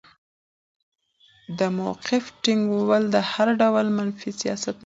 د موقف ټینګول د هر ډول منفي سیاست مخنیوی کوي.